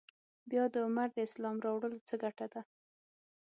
بیا د عمر د اسلام راوړلو څه ګټه ده.